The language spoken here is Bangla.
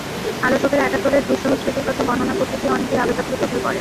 আলোচকেরা একাত্তরের দুঃসহ স্মৃতির কথা বর্ণনা করতে গিয়ে অনেকেই আবেগাপ্লুত হয়ে পড়েন।